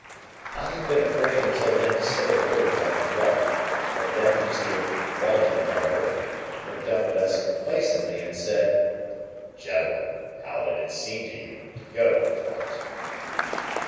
I had been afraid until then to say a word about the play. But then, Mr. Waldengarver looked up at us complacently, and said,— "Gentlemen, how did it seem to you, to go, in front?"